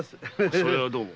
それはどうも。